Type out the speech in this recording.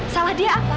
salah dia apa